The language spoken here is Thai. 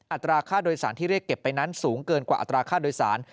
อัตราค่าโดยสารที่เรียกเก็บไปนั้นสูงเกินกว่าอัตราค่าโดยสาร